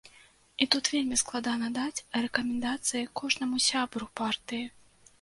І тут вельмі складана даць рэкамендацыі кожнаму сябру партыі.